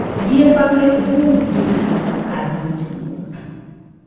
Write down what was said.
Bie faikase buuno duide jɨkanollɨnua.